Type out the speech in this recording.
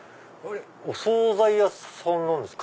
お総菜屋さんなんですか？